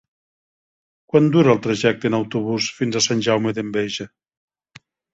Quant dura el trajecte en autobús fins a Sant Jaume d'Enveja?